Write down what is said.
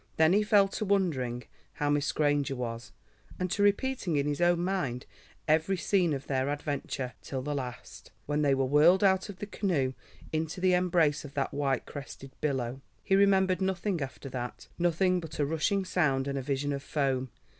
Then he fell to wondering how Miss Granger was, and to repeating in his own mind every scene of their adventure, till the last, when they were whirled out of the canoe in the embrace of that white crested billow. He remembered nothing after that, nothing but a rushing sound and a vision of foam.